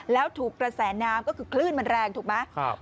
แล้วถูกกระแสน้ำก็คือคลื่นมันแรงถูกไหม